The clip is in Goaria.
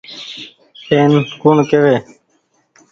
اين ڪوڻ ڪيوي۔